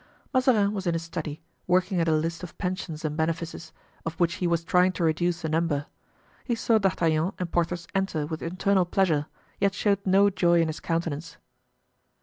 Mazarin was in his study, working at a list of pensions and benefices, of which he was trying to reduce the number. He saw D'Artagnan and Porthos enter with internal pleasure, yet showed no joy in his countenance.